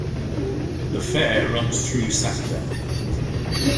The fair runs through Saturday.